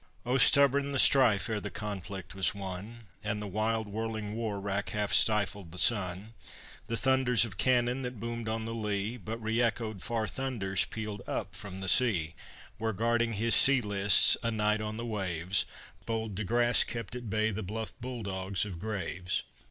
Oh, stubborn the strife ere the conflict was won! And the wild whirling war wrack half stifled the sun. The thunders of cannon that boomed on the lea, But reëchoed far thunders pealed up from the sea, Where guarding his sea lists, a knight on the waves, Bold De Grasse kept at bay the bluff bull dogs of Graves.